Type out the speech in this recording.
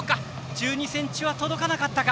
１２ｃｍは届かなかったか。